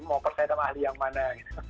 mau percaya sama ahli yang mana